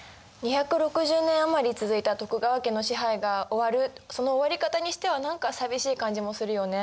２６０年余り続いた徳川家の支配が終わるその終わり方にしては何か寂しい感じもするよね。